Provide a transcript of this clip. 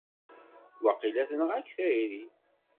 Waqila tenɣa-k tayri!